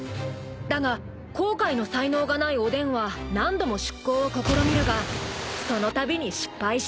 ［だが航海の才能がないおでんは何度も出航を試みるがそのたびに失敗してしまう］